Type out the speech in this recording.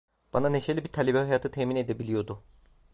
Bana neşeli bir talebe hayatı temin edebiliyordu.